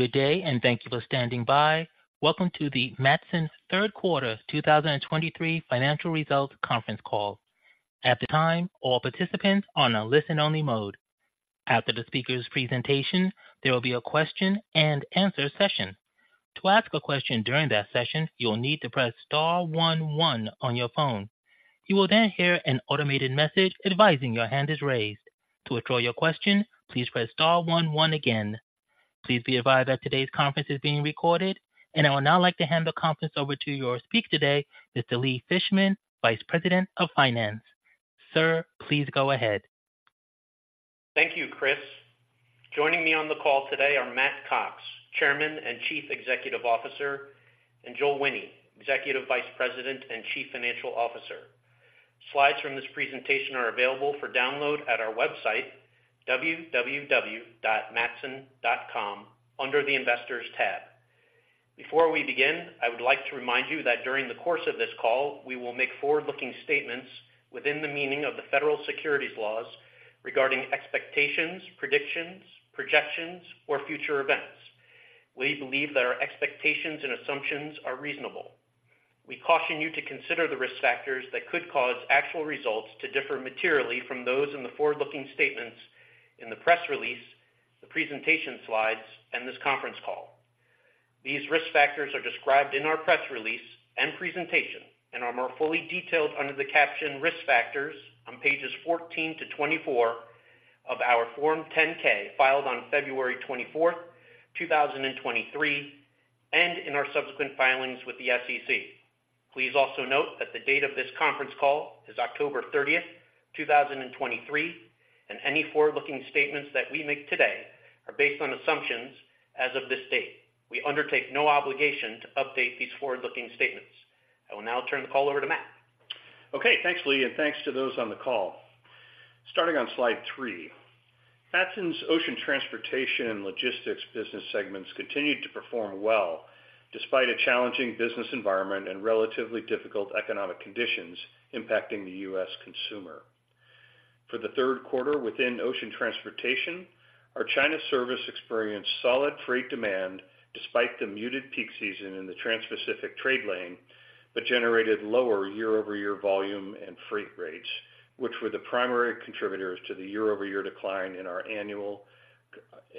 Good day, and thank you for standing by. Welcome to the Matson Q3 2023 Financial Results Conference Call. At the time, all participants are on a listen-only mode. After the speaker's presentation, there will be a question and answer session. To ask a question during that session, you will need to press star one one on your phone. You will then hear an automated message advising your hand is raised. To withdraw your question, please press star one one again. Please be advised that today's conference is being recorded. I would now like to hand the conference over to your speaker today, Mr. Lee Fishman, Vice President of Finance. Sir, please go ahead. Thank you, Chris. Joining me on the call today are Matt Cox, Chairman and Chief Executive Officer, and Joel Wine, Executive Vice President and Chief Financial Officer. Slides from this presentation are available for download at our website, www.matson.com, under the Investors tab. Before we begin, I would like to remind you that during the course of this call, we will make forward-looking statements within the meaning of the federal securities laws regarding expectations, predictions, projections, or future events. We believe that our expectations and assumptions are reasonable. We caution you to consider the risk factors that could cause actual results to differ materially from those in the forward-looking statements in the press release, the presentation slides, and this conference call. These risk factors are described in our press release and presentation and are more fully detailed under the caption Risk Factors on pages 14-24 of our Form 10-K, filed on February 24, 2023, and in our subsequent filings with the SEC. Please also note that the date of this conference call is October 30, 2023, and any forward-looking statements that we make today are based on assumptions as of this date. We undertake no obligation to update these forward-looking statements. I will now turn the call over to Matt. Okay, thanks, Lee, and thanks to those on the call. Starting on slide three. Matson's Ocean Transportation and Logistics business segments continued to perform well, despite a challenging business environment and relatively difficult economic conditions impacting the U.S. consumer. For the Q3 within Ocean Transportation, our China service experienced solid freight demand despite the muted peak season in the Transpacific trade lane, but generated lower year-over-year volume and freight rates, which were the primary contributors to the year-over-year decline in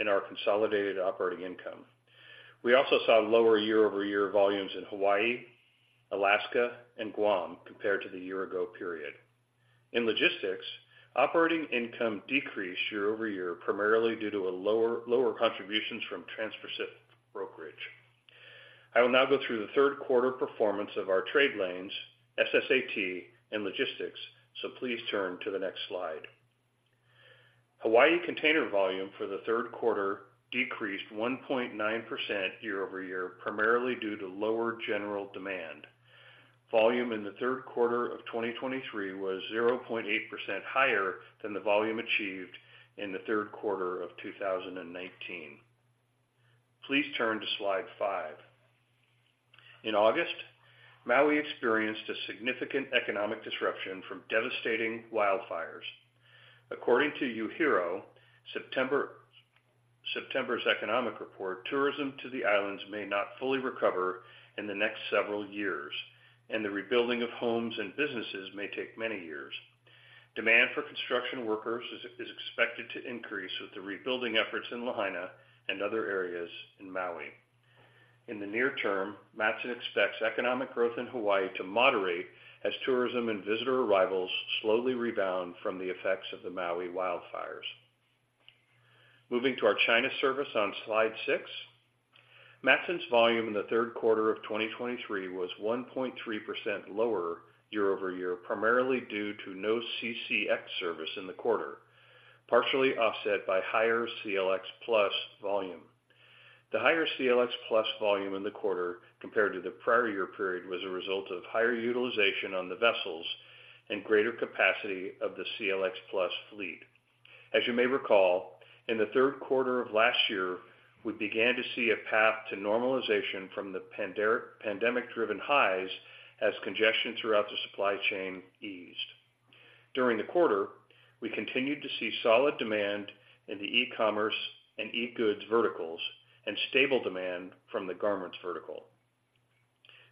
our consolidated operating income. We also saw lower year-over-year volumes in Hawaii, Alaska, and Guam compared to the year ago period. In logistics, operating income decreased year-over-year, primarily due to lower contributions from Transpacific brokerage. I will now go through the Q3 performance of our trade lanes, SSAT, and Logistics. Please turn to the next slide. Hawaii container volume for the Q3 decreased 1.9% year-over-year, primarily due to lower general demand. Volume in the Q3 of 2023 was 0.8% higher than the volume achieved in the Q3 of 2019. Please turn to Slide five. In August, Maui experienced a significant economic disruption from devastating wildfires. According to UHERO, September's economic report, tourism to the islands may not fully recover in the next several years, and the rebuilding of homes and businesses may take many years. Demand for construction workers is expected to increase with the rebuilding efforts in Lahaina and other areas in Maui. In the near term, Matson expects economic growth in Hawaii to moderate as tourism and visitor arrivals slowly rebound from the effects of the Maui wildfires. Moving to our China service on Slide six. Matson's volume in the Q3 of 2023 was 1.3% lower year-over-year, primarily due to no CCX service in the quarter, partially offset by higher CLX Plus volume. The higher CLX Plus volume in the quarter compared to the prior year period was a result of higher utilization on the vessels and greater capacity of the CLX Plus fleet. As you may recall, in the Q3 of last year, we began to see a path to normalization from the pandemic-driven highs as congestion throughout the supply chain eased. During the quarter, we continued to see solid demand in the e-commerce and e-goods verticals and stable demand from the garments vertical.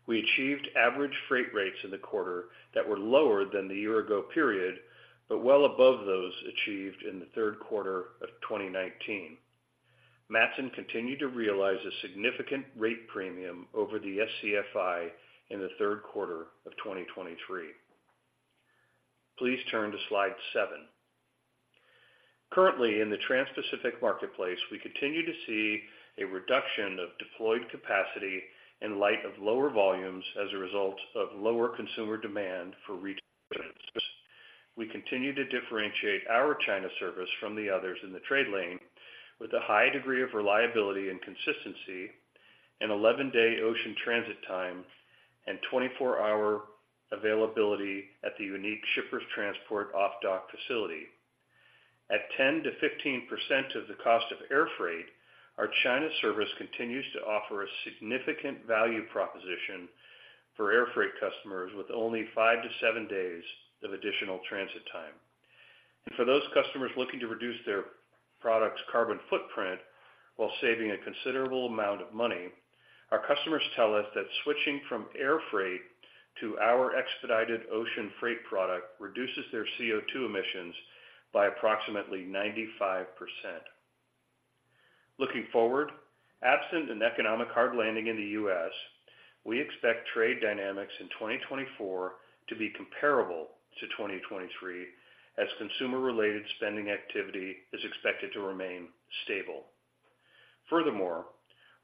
We achieved average freight rates in the quarter that were lower than the year ago period, but well above those achieved in the Q3 of 2019. Matson continued to realize a significant rate premium over the SCFI in the Q3 of 2023. Please turn to slide seven. Currently, in the Transpacific marketplace, we continue to see a reduction of deployed capacity in light of lower volumes as a result of lower consumer demand for retail goods. We continue to differentiate our China service from the others in the trade lane, with a high degree of reliability and consistency, an 11-day ocean transit time, and 24-hour availability at the unique Shippers Transport off-dock facility. At 10%-15% of the cost of air freight, our China service continues to offer a significant value proposition for air freight customers with only 5-7 days of additional transit time.... For those customers looking to reduce their product's carbon footprint while saving a considerable amount of money, our customers tell us that switching from air freight to our expedited ocean freight product reduces their CO2 emissions by approximately 95%. Looking forward, absent an economic hard landing in the U.S., we expect trade dynamics in 2024 to be comparable to 2023, as consumer-related spending activity is expected to remain stable. Furthermore,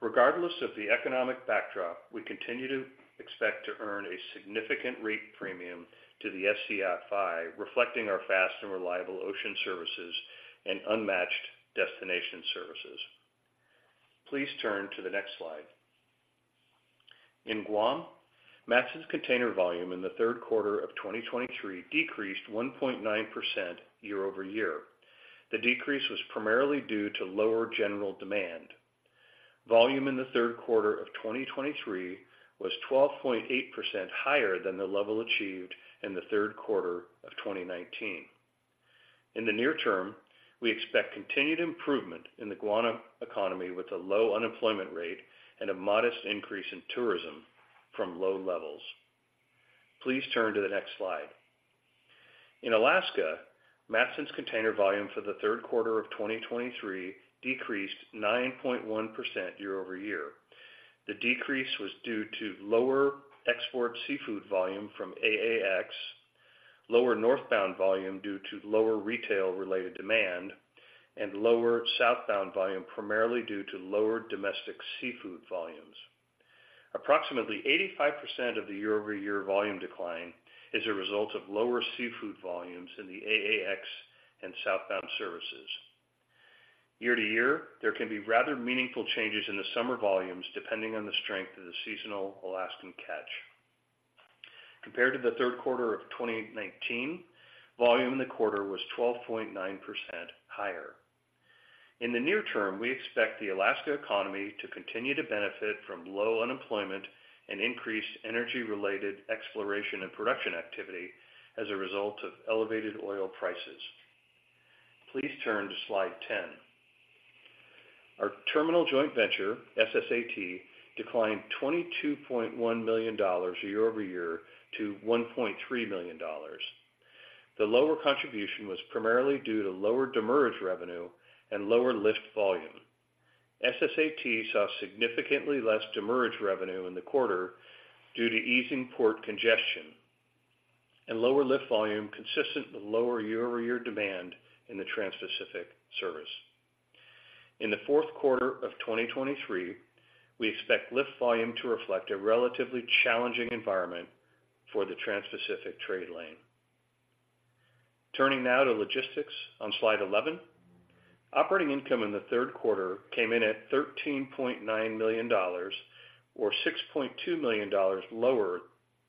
regardless of the economic backdrop, we continue to expect to earn a significant rate premium to the SCFI, reflecting our fast and reliable ocean services and unmatched destination services. Please turn to the next slide. In Guam, Matson's container volume in the Q3 of 2023 decreased 1.9% year-over-year. The decrease was primarily due to lower general demand. Volume in the Q3 of 2023 was 12.8% higher than the level achieved in the Q3 of 2019. In the near term, we expect continued improvement in the Guam economy, with a low unemployment rate and a modest increase in tourism from low levels. Please turn to the next slide. In Alaska, Matson's container volume for the Q3 of 2023 decreased 9.1% year-over-year. The decrease was due to lower export seafood volume from AAX, lower northbound volume due to lower retail-related demand, and lower southbound volume, primarily due to lower domestic seafood volumes. Approximately 85% of the year-over-year volume decline is a result of lower seafood volumes in the AAX and southbound services. Year-to-year, there can be rather meaningful changes in the summer volumes, depending on the strength of the seasonal Alaskan catch. Compared to the Q3 of 2019, volume in the quarter was 12.9% higher. In the near term, we expect the Alaska economy to continue to benefit from low unemployment and increased energy-related exploration and production activity as a result of elevated oil prices. Please turn to Slide 10. Our terminal joint venture, SSAT, declined $22.1 million year-over-year to $1.3 million. The lower contribution was primarily due to lower demurrage revenue and lower lift volume. SSAT saw significantly less demurrage revenue in the quarter due to easing port congestion and lower lift volume, consistent with lower year-over-year demand in the Transpacific service. In the Q4 of 2023, we expect lift volume to reflect a relatively challenging environment for the Transpacific trade lane. Turning now to logistics on Slide 11. Operating income in the Q3 came in at $13.9 million, or $6.2 million lower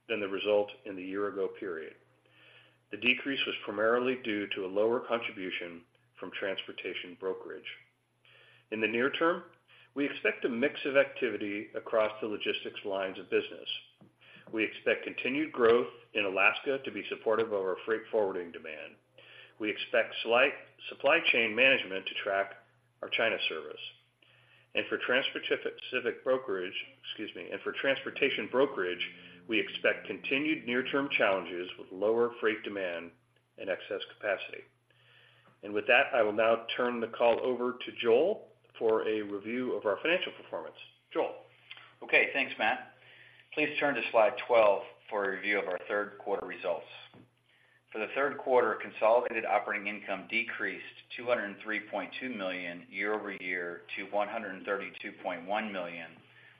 than the result in the year ago period. The decrease was primarily due to a lower contribution from transportation brokerage. In the near term, we expect a mix of activity across the logistics lines of business. We expect continued growth in Alaska to be supportive of our freight forwarding demand. We expect slight supply chain management to track our China service. And for Transpacific, Pacific brokerage, excuse me. And for transportation brokerage, we expect continued near-term challenges with lower freight demand and excess capacity. And with that, I will now turn the call over to Joel for a review of our financial performance. Joel? Okay, thanks, Matt. Please turn to Slide 12 for a review of our Q3 results. For the Q3, consolidated operating income decreased $203.2 million year-over-year to $132.1 million,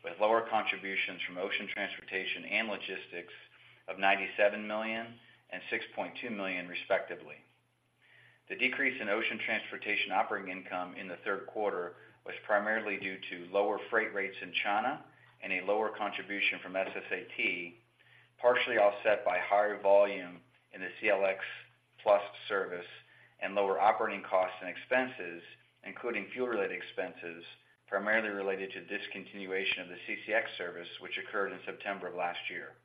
with lower contributions from ocean transportation and logistics of $97 million and $6.2 million, respectively. The decrease in ocean transportation operating income in the Q3 was primarily due to lower freight rates in China and a lower contribution from SSAT, partially offset by higher volume in the CLX Plus service and lower operating costs and expenses, including fuel-related expenses, primarily related to discontinuation of the CCX service, which occurred in September of last year.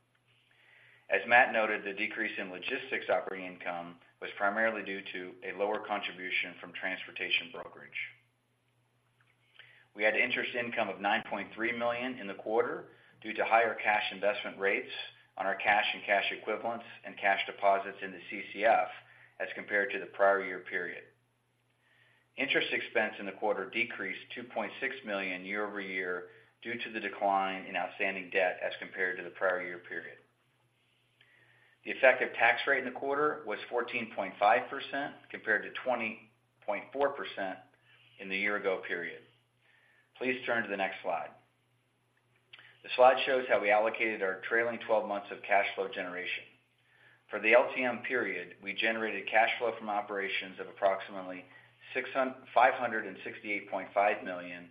As Matt noted, the decrease in logistics operating income was primarily due to a lower contribution from transportation brokerage. We had interest income of $9.3 million in the quarter due to higher cash investment rates on our cash and cash equivalents and cash deposits in the CCF as compared to the prior year period. Interest expense in the quarter decreased $2.6 million year-over-year due to the decline in outstanding debt as compared to the prior year period. The effective tax rate in the quarter was 14.5%, compared to 20.4% in the year ago period. Please turn to the next slide. The slide shows how we allocated our trailing twelve months of cash flow generation. For the LTM period, we generated cash flow from operations of approximately $568.5 million,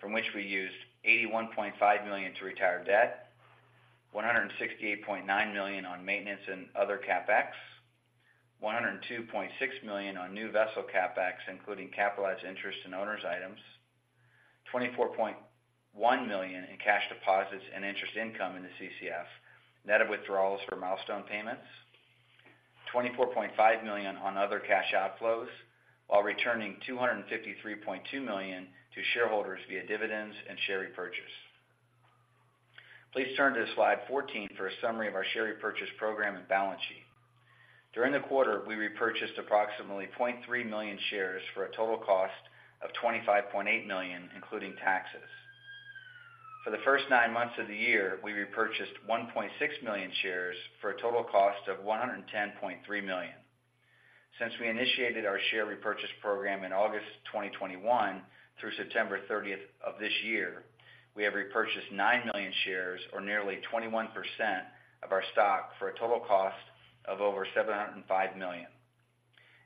from which we used $81.5 million to retire debt, $168.9 million on maintenance and other CapEx, $102.6 million on new vessel CapEx, including capitalized interest and owners' items, $24.1 million in cash deposits and interest income in the CCF, net of withdrawals for milestone payments, $24.5 million on other cash outflows, while returning $253.2 million to shareholders via dividends and share repurchase. Please turn to Slide 14 for a summary of our share repurchase program and balance sheet. During the quarter, we repurchased approximately 0.3 million shares for a total cost of $25.8 million, including taxes. For the first 9 months of the year, we repurchased 1.6 million shares for a total cost of $110.3 million. Since we initiated our share repurchase program in August 2021 through September 30th of this year, we have repurchased 9 million shares or nearly 21% of our stock for a total cost of over $705 million.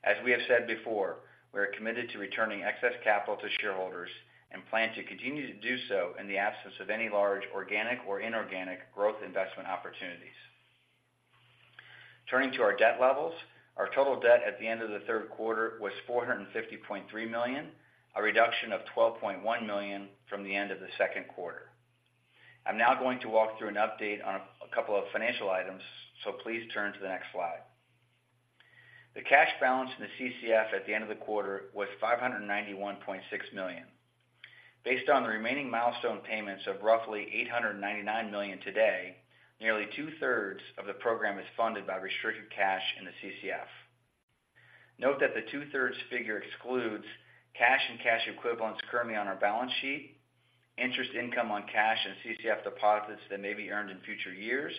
As we have said before, we are committed to returning excess capital to shareholders and plan to continue to do so in the absence of any large organic or inorganic growth investment opportunities. Turning to our debt levels. Our total debt at the end of the Q3 was $450.3 million, a reduction of $12.1 million from the end of the Q2. I'm now going to walk through an update on a couple of financial items, so please turn to the next slide. The cash balance in the CCF at the end of the quarter was $591.6 million. Based on the remaining milestone payments of roughly $899 million today, nearly two-thirds of the program is funded by restricted cash in the CCF. Note that the two-thirds figure excludes cash and cash equivalents currently on our balance sheet, interest income on cash and CCF deposits that may be earned in future years,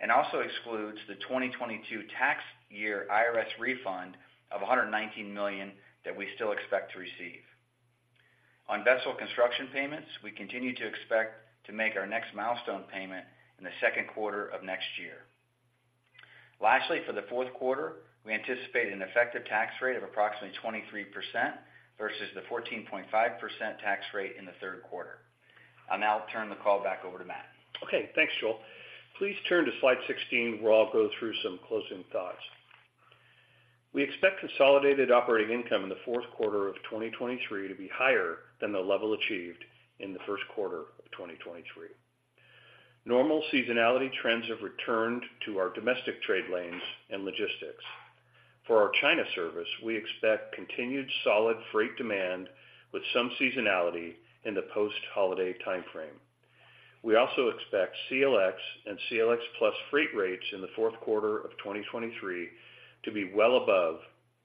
and also excludes the 2022 tax year IRS refund of $119 million that we still expect to receive. On vessel construction payments, we continue to expect to make our next milestone payment in the Q2 of next year. Lastly, for the Q4, we anticipate an effective tax rate of approximately 23% versus the 14.5% tax rate in the Q3. I'll now turn the call back over to Matt. Okay, thanks, Joel. Please turn to Slide 16, where I'll go through some closing thoughts. We expect consolidated operating income in the Q4 of 2023 to be higher than the level achieved in the Q1 of 2023. Normal seasonality trends have returned to our domestic trade lanes and logistics. For our China service, we expect continued solid freight demand with some seasonality in the post-holiday timeframe. We also expect CLX and CLX Plus freight rates in the Q4 of 2023 to be well above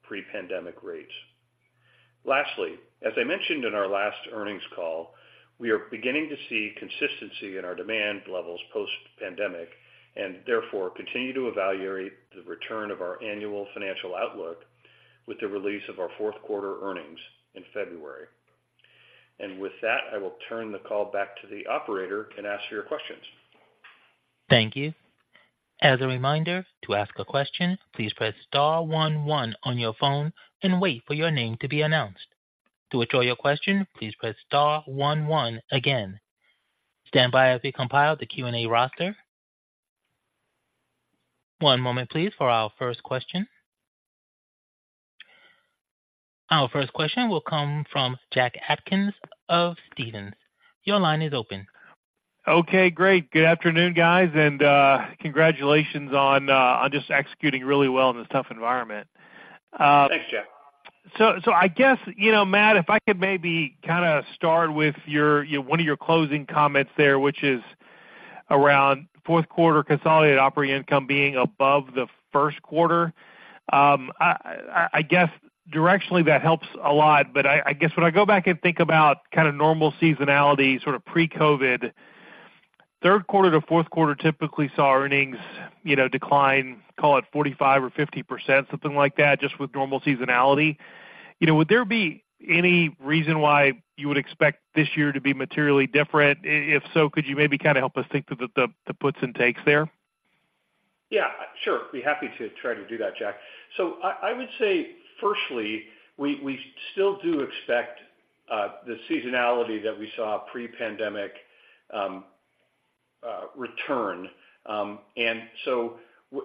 pre-pandemic rates. Lastly, as I mentioned in our last earnings call, we are beginning to see consistency in our demand levels post-pandemic, and therefore, continue to evaluate the return of our annual financial outlook with the release of our Q4 earnings in February. And with that, I will turn the call back to the operator and ask for your questions. Thank you. As a reminder, to ask a question, please press star one, one on your phone and wait for your name to be announced. To withdraw your question, please press star one, one again. Stand by as we compile the Q&A roster. One moment, please, for our first question. Our first question will come from Jack Atkins of Stephens. Your line is open. Okay, great. Good afternoon, guys, and congratulations on, on just executing really well in this tough environment. Thanks, Jack. So I guess, you know, Matt, if I could maybe kinda start with your, you know, one of your closing comments there, which is around Q4 consolidated operating income being above the Q1. I guess directionally that helps a lot, but I guess when I go back and think about kind of normal seasonality, sort of pre-COVID, Q3 to Q4 typically saw earnings, you know, decline, call it 45% or 50%, something like that, just with normal seasonality. You know, would there be any reason why you would expect this year to be materially different? If so, could you maybe kind of help us think through the puts and takes there? Yeah, sure. Be happy to try to do that, Jack. So I would say, firstly, we still do expect the seasonality that we saw pre-pandemic return. And so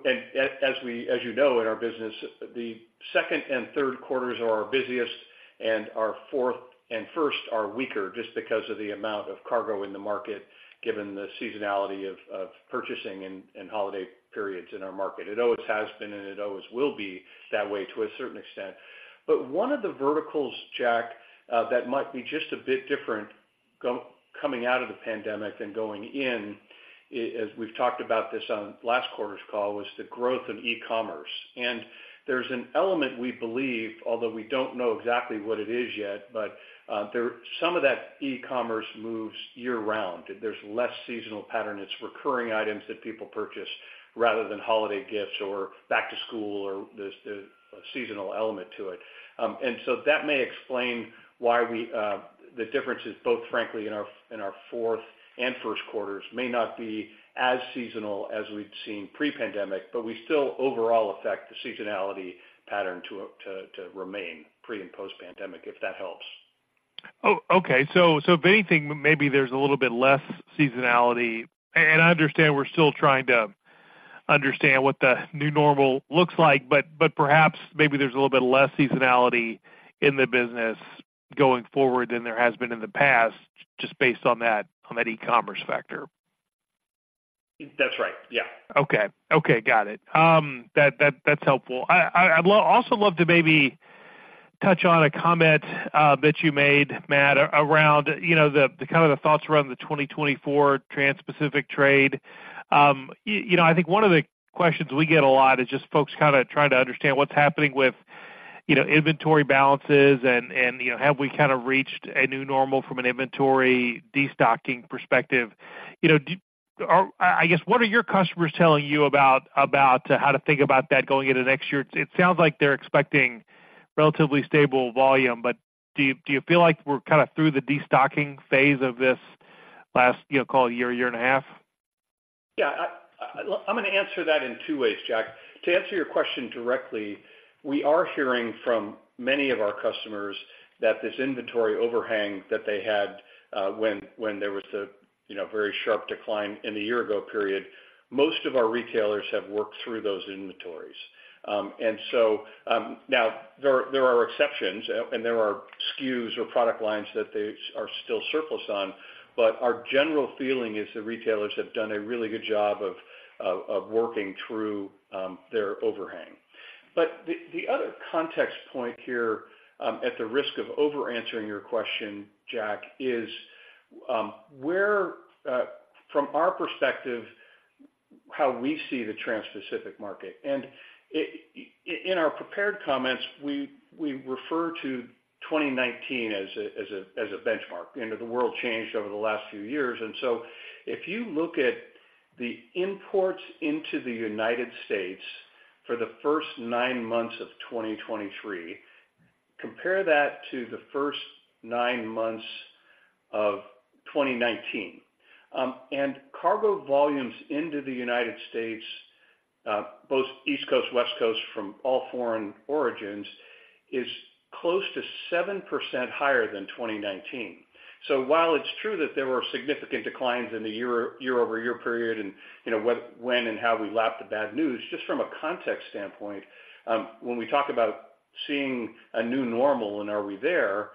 as we, as you know, in our business, the second and Q3 are our busiest, and our fourth and first are weaker just because of the amount of cargo in the market, given the seasonality of purchasing and holiday periods in our market. It always has been, and it always will be that way to a certain extent. But one of the verticals, Jack, that might be just a bit different coming out of the pandemic than going in, as we've talked about this on last quarter's call, was the growth of e-commerce. There's an element we believe, although we don't know exactly what it is yet, but there's some of that e-commerce moves year-round. There's less seasonal pattern. It's recurring items that people purchase rather than holiday gifts or back to school, or there's a seasonal element to it. And so that may explain why the differences, both frankly in our Q4 and Q1, may not be as seasonal as we've seen pre-pandemic, but we still overall expect the seasonality pattern to remain pre- and post-pandemic, if that helps. Oh, okay. So, so if anything, maybe there's a little bit less seasonality. And I understand we're still trying to understand what the new normal looks like, but, but perhaps maybe there's a little bit less seasonality in the business going forward than there has been in the past, just based on that, on that e-commerce factor. That's right. Yeah. Okay. Okay, got it. That's helpful. I'd also love to maybe touch on a comment that you made, Matt, around, you know, the kind of thoughts around the 2024 Transpacific trade. You know, I think one of the questions we get a lot is just folks kinda trying to understand what's happening with, you know, inventory balances and, you know, have we kind of reached a new normal from an inventory destocking perspective? You know, I guess, what are your customers telling you about how to think about that going into next year? It sounds like they're expecting relatively stable volume, but do you feel like we're kind of through the destocking phase of this last, you know, call it a year and a half? Yeah, I'm gonna answer that in two ways, Jack. To answer your question directly, we are hearing from many of our customers that this inventory overhang that they had, when there was a, you know, very sharp decline in the year ago period, most of our retailers have worked through those inventories. And so, now there are exceptions, and there are SKUs or product lines that they are still surplus on, but our general feeling is that retailers have done a really good job of working through their overhang. But the other context point here, at the risk of overanswering your question, Jack, is where from our perspective, how we see the Trans-Pacific market. In our prepared comments, we refer to 2019 as a benchmark, and the world changed over the last few years. So if you look at the imports into the United States for the first nine months of 2023, compare that to the first nine months of 2019. And cargo volumes into the United States, both East Coast, West Coast, from all foreign origins, is close to 7% higher than 2019. So while it's true that there were significant declines in the year-over-year period, and, you know, what, when and how we lap the bad news, just from a context standpoint, when we talk about seeing a new normal, and are we there?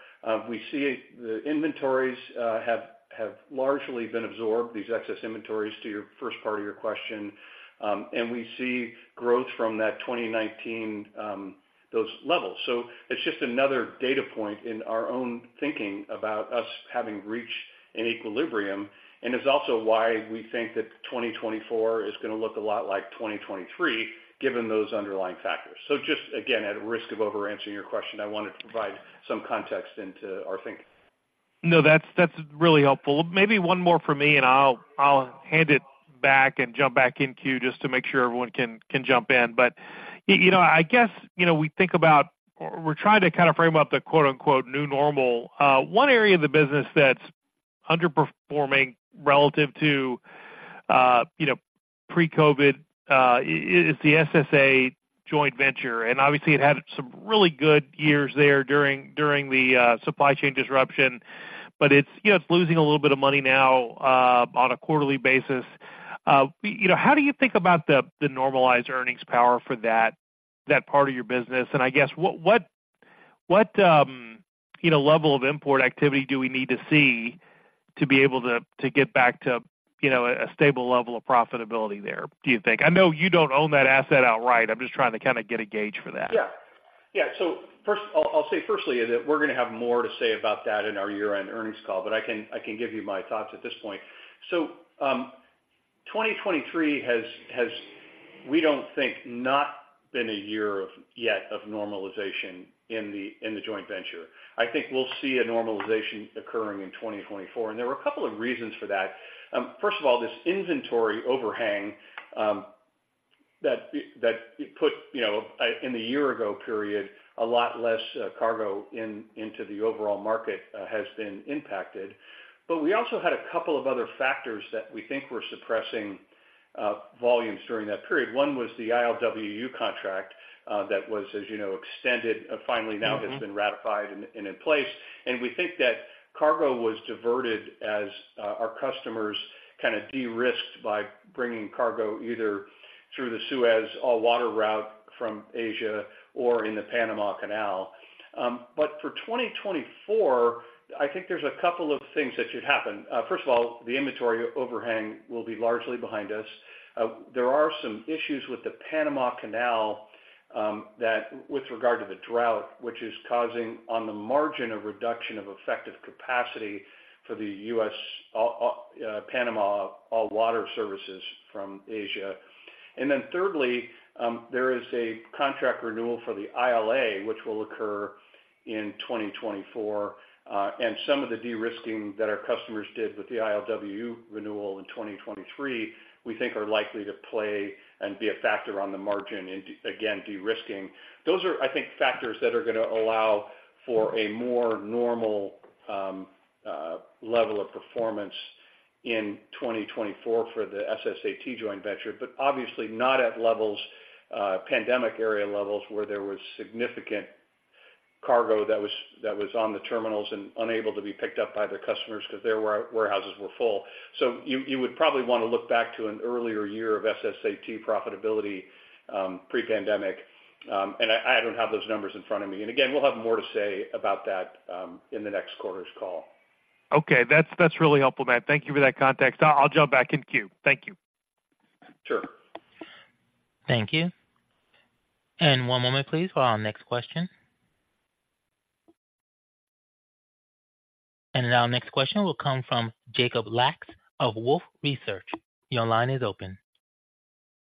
We see the inventories have largely been absorbed, these excess inventories, to your first part of your question. And we see growth from that 2019 those levels. So it's just another data point in our own thinking about us having reached an equilibrium, and is also why we think that 2024 is gonna look a lot like 2023, given those underlying factors. So just again, at risk of over answering your question, I wanted to provide some context into our thinking. No, that's, that's really helpful. Maybe one more from me, and I'll, I'll hand it back and jump back in queue just to make sure everyone can, can jump in. But, you know, I guess, you know, we think about, we're trying to kind of frame up the quote, unquote, "new normal." One area of the business that's underperforming relative to, you know, pre-COVID, is the SSAT joint venture, and obviously it had some really good years there during the supply chain disruption. But it's, you know, it's losing a little bit of money now, on a quarterly basis. You know, how do you think about the normalized earnings power for that part of your business? I guess what level of import activity do we need to see to be able to, to get back to, you know, a stable level of profitability there, do you think? I know you don't own that asset outright. I'm just trying to kind of get a gauge for that. Yeah. Yeah, so first, I'll say firstly, that we're gonna have more to say about that in our year-end earnings call, but I can give you my thoughts at this point. So, 2023 has, we don't think, not been a year of yet of normalization in the joint venture. I think we'll see a normalization occurring in 2024, and there are a couple of reasons for that. First of all, this inventory overhang that put, you know, in the year ago period, a lot less cargo into the overall market has been impacted. But we also had a couple of other factors that we think were suppressing volumes during that period. One was the ILWU contract that was, as you know, extended finally now- Mm-hmm... has been ratified and in place. We think that cargo was diverted as our customers kind of de-risked by bringing cargo either through the Suez or water route from Asia or in the Panama Canal. But for 2024, I think there's a couple of things that should happen. First of all, the inventory overhang will be largely behind us. There are some issues with the Panama Canal that with regard to the drought, which is causing, on the margin, a reduction of effective capacity for the U.S. Panama all-water services from Asia. And then thirdly, there is a contract renewal for the ILA, which will occur in 2024. And some of the de-risking that our customers did with the ILWU renewal in 2023, we think are likely to play and be a factor on the margin in, again, de-risking. Those are, I think, factors that are gonna allow for a more normal level of performance in 2024 for the SSAT joint venture, but obviously not at levels, pandemic-era levels, where there was significant cargo that was on the terminals and unable to be picked up by their customers because their warehouses were full. So you would probably want to look back to an earlier year of SSAT profitability, pre-pandemic. And I don't have those numbers in front of me. And again, we'll have more to say about that in the next quarter's call. Okay, that's, that's really helpful, Matt. Thank you for that context. I'll jump back in queue. Thank you. Sure. Thank you. One moment, please, for our next question. Our next question will come from Jacob Lacks of Wolfe Research. Your line is open.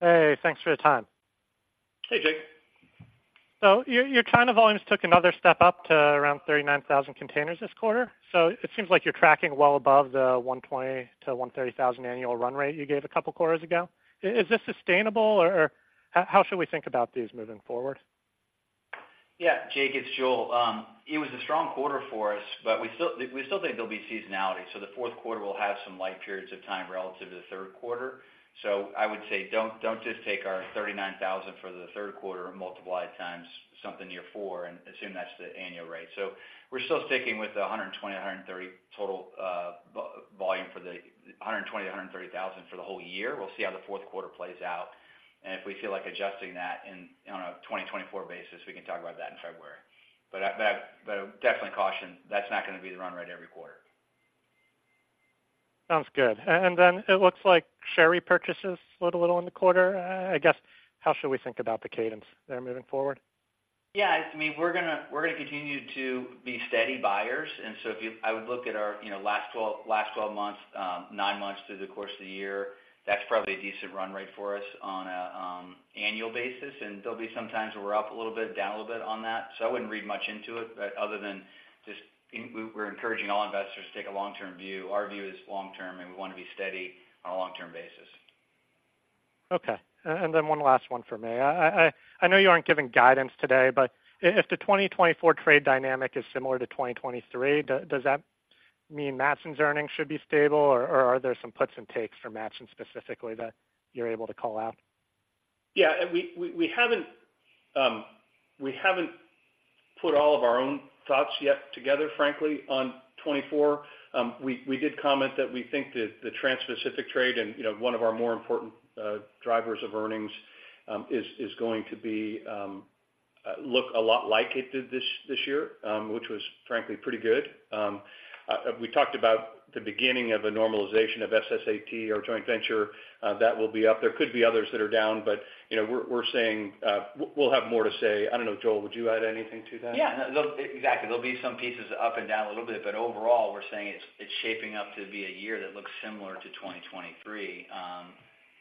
Hey, thanks for your time. Hey, Jake. So your China volumes took another step up to around 39,000 containers this quarter. So it seems like you're tracking well above the 120,000-130,000 annual run rate you gave a couple of quarters ago. Is this sustainable, or how should we think about these moving forward? Yeah, Jake, it's Joel. It was a strong quarter for us, but we still, we still think there'll be seasonality. So the Q4 will have some light periods of time relative to the Q3. So I would say, don't, don't just take our 39,000 for the Q3 and multiply it times something near four and assume that's the annual rate. So we're still sticking with the 120, 130 total, volume for the 120-130 thousand for the whole year. We'll see how the Q4 plays out, and if we feel like adjusting that in, on a 2024 basis, we can talk about that in February. But I definitely caution, that's not going to be the run rate every quarter. Sounds good. Then it looks like share repurchases slowed a little in the quarter. I guess, how should we think about the cadence there moving forward? Yeah, I mean, we're going to, we're going to continue to be steady buyers. So if you— I would look at our, you know, last 12, last 12 months, 9 months through the course of the year. That's probably a decent run rate for us on a, annual basis, and there'll be some times where we're up a little bit, down a little bit on that, so I wouldn't read much into it. But other than just, we're encouraging all investors to take a long-term view. Our view is long-term, and we want to be steady on a long-term basis. Okay, and then one last one for me. I know you aren't giving guidance today, but if the 2024 trade dynamic is similar to 2023, does that mean Matson's earnings should be stable, or are there some puts and takes for Matson specifically, that you're able to call out? Yeah, we haven't put all of our own thoughts yet together, frankly, on 2024. We did comment that we think that the Transpacific trade and, you know, one of our more important drivers of earnings is going to look a lot like it did this year, which was, frankly, pretty good. We talked about the beginning of a normalization of SSAT, our joint venture, that will be up. There could be others that are down, but, you know, we're saying we'll have more to say. I don't know. Joel, would you add anything to that? Yeah, exactly. There'll be some pieces up and down a little bit, but overall, we're saying it's shaping up to be a year that looks similar to 2023,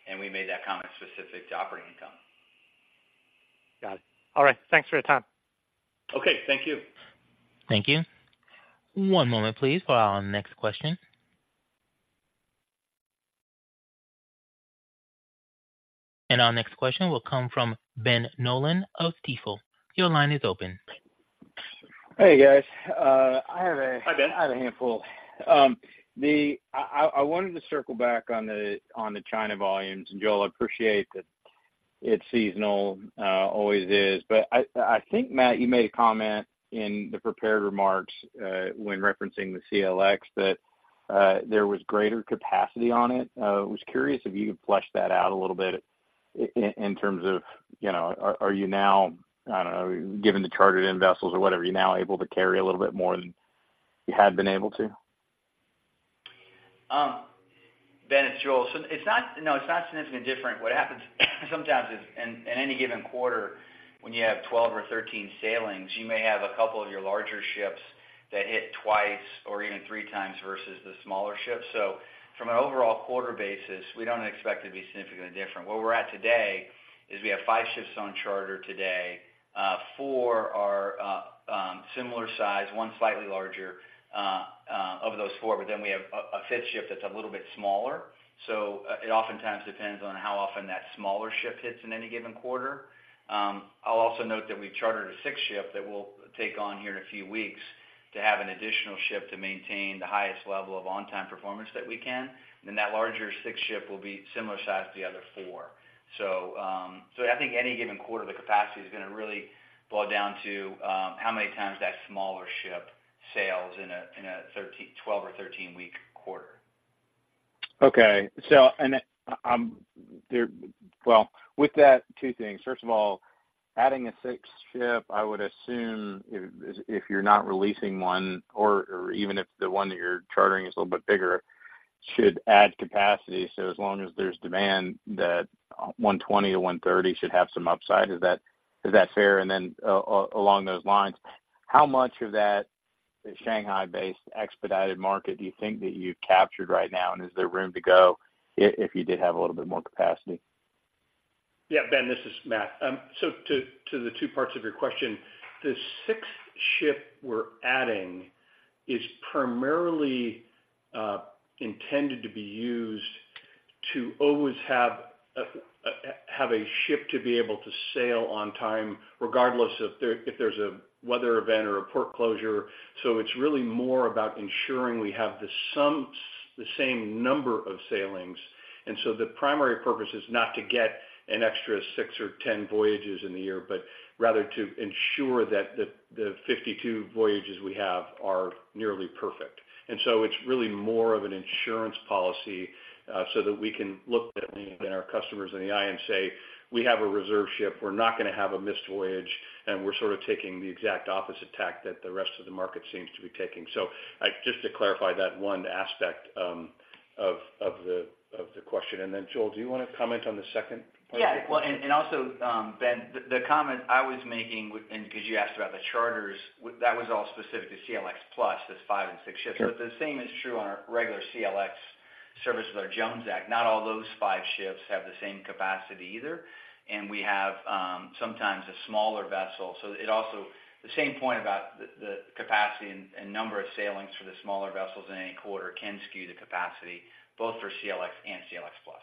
and we made that comment specific to operating income. Got it. All right. Thanks for your time. Okay. Thank you. Thank you. One moment, please, for our next question. Our next question will come from Ben Nolan of Stifel. Your line is open. Hey, guys, I have a- Hi, Ben. I have a handful. I wanted to circle back on the China volumes. And Joel, I appreciate that it's seasonal, always is, but I think, Matt, you made a comment in the prepared remarks, when referencing the CLX, that there was greater capacity on it. I was curious if you could flesh that out a little bit in terms of, you know, are you now, I don't know, given the chartered-in vessels or whatever, are you now able to carry a little bit more than you had been able to? Ben, it's Joel. So it's not... No, it's not significantly different. What happens sometimes is, in any given quarter, when you have 12 or 13 sailings, you may have a couple of your larger ships that hit twice or even three times versus the smaller ships. So from an overall quarter basis, we don't expect it to be significantly different. Where we're at today is we have five ships on charter today. Four are similar size, one slightly larger of those four, but then we have a fifth ship that's a little bit smaller. So it oftentimes depends on how often that smaller ship hits in any given quarter. I'll also note that we chartered a sixth ship that will take on here in a few weeks to have an additional ship to maintain the highest level of on-time performance that we can. Then that larger sixth ship will be similar size to the other four. So, I think any given quarter, the capacity is going to really boil down to how many times that smaller ship sails in a 12- or 13-week quarter. Okay. So, well, with that, two things. First of all, adding a sixth ship, I would assume if you're not releasing one or even if the one that you're chartering is a little bit bigger, should add capacity. So as long as there's demand, that 120-130 should have some upside. Is that fair? And then along those lines, how much of that is Shanghai-based expedited market do you think that you've captured right now? And is there room to go if you did have a little bit more capacity? Yeah, Ben, this is Matt. So to the two parts of your question, the sixth ship we're adding is primarily intended to always have a ship to be able to sail on time, regardless if there's a weather event or a port closure. So it's really more about ensuring we have the same number of sailings. And so the primary purpose is not to get an extra 6 or 10 voyages in the year, but rather to ensure that the 52 voyages we have are nearly perfect. And so it's really more of an insurance policy, so that we can look at our customers in the eye and say, "We have a reserve ship. We're not going to have a missed voyage," and we're sort of taking the exact opposite tack that the rest of the market seems to be taking. So, just to clarify that one aspect of the question. And then, Joel, do you want to comment on the second point? Yeah. Well, and also, Ben, the comment I was making, and because you asked about the charters, that was all specific to CLX Plus, those 5 and 6 ships. Sure. But the same is true on our regular CLX service with our Jones Act. Not all those 5 ships have the same capacity either, and we have sometimes a smaller vessel. So it also, the same point about the capacity and number of sailings for the smaller vessels in any quarter can skew the capacity, both for CLX and CLX Plus.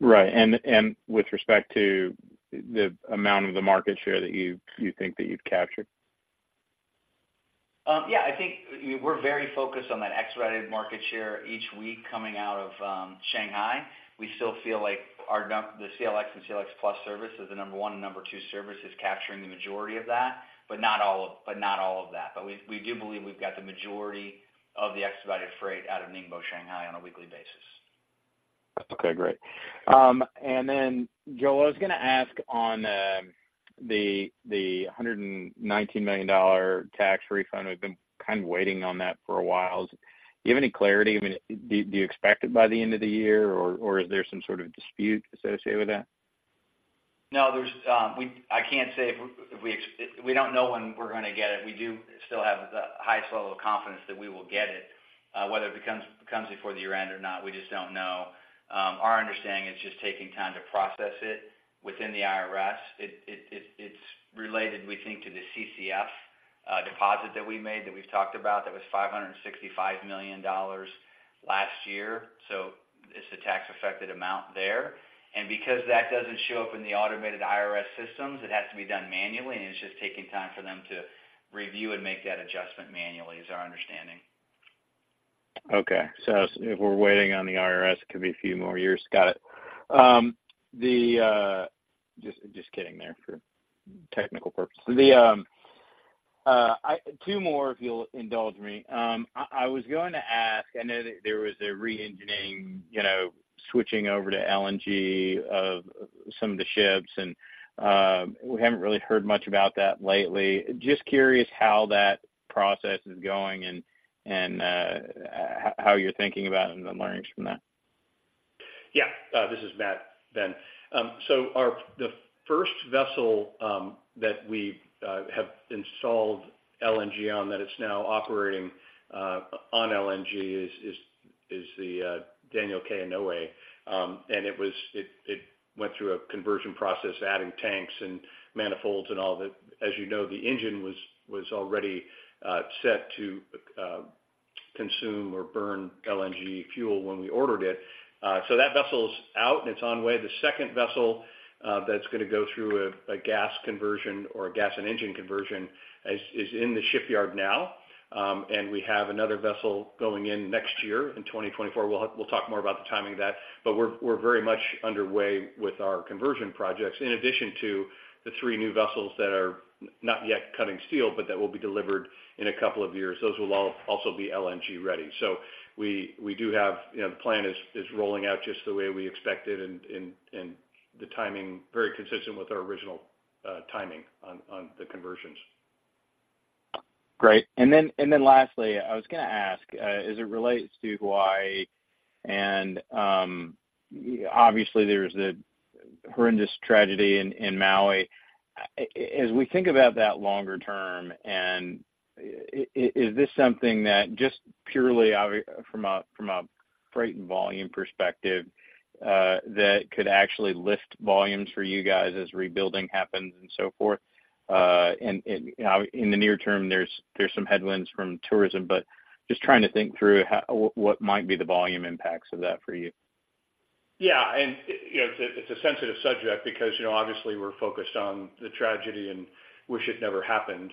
Right. And with respect to the amount of the market share that you think that you've captured? Yeah, I think we're very focused on that expedited market share each week coming out of Shanghai. We still feel like our num- the CLX and CLX Plus service is the number one and number two service is capturing the majority of that, not all, but not all of that. We do believe we've got the majority of the expedited freight out of Ningbo, Shanghai on a weekly basis. Okay, great. And then, Joel, I was going to ask on the $119 million tax refund. We've been kind of waiting on that for a while. Do you have any clarity? I mean, do you expect it by the end of the year, or is there some sort of dispute associated with that? No, we don't know when we're going to get it. We do still have the highest level of confidence that we will get it. Whether it comes before the year end or not, we just don't know. Our understanding is just taking time to process it within the IRS. It's related, we think, to the CCF deposit that we made, that we've talked about. That was $565 million last year, so it's the tax-affected amount there. And because that doesn't show up in the automated IRS systems, it has to be done manually, and it's just taking time for them to review and make that adjustment manually, is our understanding. Okay. So if we're waiting on the IRS, it could be a few more years. Got it. Just kidding there for technical purposes. Two more, if you'll indulge me. I was going to ask, I know that there was a re-engineering, you know, switching over to LNG of some of the ships, and we haven't really heard much about that lately. Just curious how that process is going and how you're thinking about it and the learnings from that. Yeah. This is Matt, Ben. So the first vessel that we have installed LNG on, that is now operating on LNG is the Daniel K. Inouye. And it went through a conversion process, adding tanks and manifolds and all of it. As you know, the engine was already set to consume or burn LNG fuel when we ordered it. So that vessel is out, and it's on way. The second vessel that's going to go through a gas conversion or a gas and engine conversion is in the shipyard now. And we have another vessel going in next year, in 2024. We'll talk more about the timing of that, but we're very much underway with our conversion projects, in addition to the three new vessels that are not yet cutting steel, but that will be delivered in a couple of years. Those will all also be LNG ready. So we do have... You know, the plan is rolling out just the way we expected and the timing very consistent with our original timing on the conversions. Great. And then lastly, I was going to ask, as it relates to Hawaii and, obviously, there's a horrendous tragedy in Maui. As we think about that longer term, and is this something that just purely obvious from a freight and volume perspective, that could actually lift volumes for you guys as rebuilding happens and so forth? And in the near term, there's some headwinds from tourism, but just trying to think through how what might be the volume impacts of that for you. Yeah, and, you know, it's a sensitive subject because, you know, obviously we're focused on the tragedy and wish it never happened.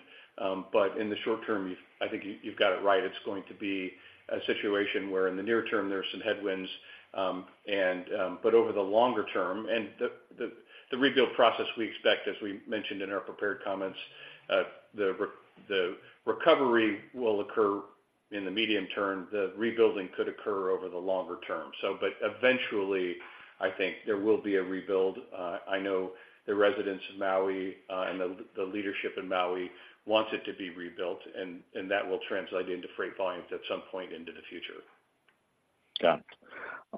But in the short term, I think you've got it right. It's going to be a situation where in the near term, there are some headwinds, and but over the longer term, and the rebuild process, we expect, as we mentioned in our prepared comments, the recovery will occur in the medium term. The rebuilding could occur over the longer term. So, but eventually, I think there will be a rebuild. I know the residents of Maui, and the leadership in Maui wants it to be rebuilt, and that will translate into freight volumes at some point into the future. Got it.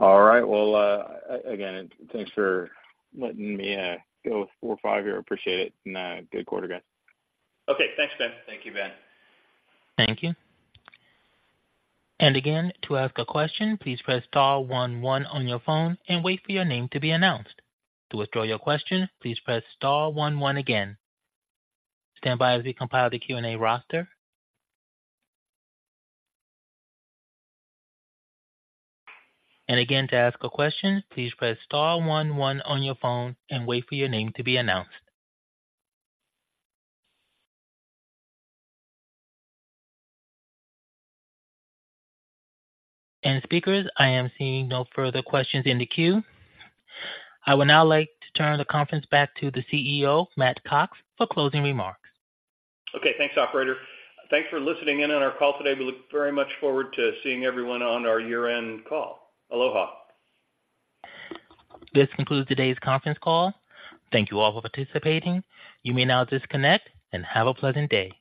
All right. Well, again, thanks for letting me go four, five here. I appreciate it. And, good quarter, guys. Okay. Thanks, Ben. Thank you, Ben. Thank you. And again, to ask a question, please press star one one on your phone and wait for your name to be announced. To withdraw your question, please press star one one again. Stand by as we compile the Q&A roster. And again, to ask a question, please press star one one on your phone and wait for your name to be announced. And speakers, I am seeing no further questions in the queue. I would now like to turn the conference back to the CEO, Matt Cox, for closing remarks. Okay. Thanks, operator. Thanks for listening in on our call today. We look very much forward to seeing everyone on our year-end call. Aloha. This concludes today's conference call. Thank you all for participating. You may now disconnect and have a pleasant day.